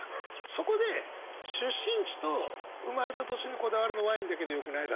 そこで「出身地と生まれた年にこだわるのワインだけでよくない？」だったのよ。